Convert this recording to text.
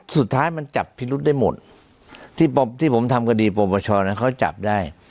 สุดท้ายมันจับพิรุษได้หมดที่ผมทำคดีปรปชนะเขาจับได้